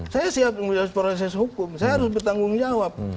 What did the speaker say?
saya siap untuk proses hukum saya harus bertanggung jawab